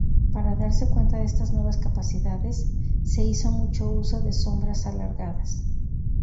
Para darse cuenta de estas nuevas capacidades, se hizo mucho uso de sombras alargadas.